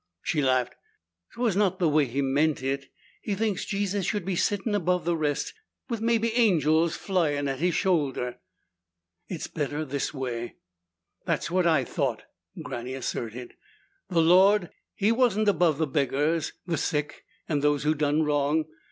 She laughed. "'Twas not the way he meant it. He thinks Jesus should be sittin' above the rest, with maybe angels flyin' at His shoulder." "It's better this way." "That's what I thought," Granny asserted. "The Lord, He wasn't above the beggars, the sick and those who done wrong.